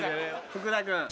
福田君。